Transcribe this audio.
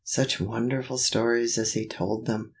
Such wonderful stories as he told them!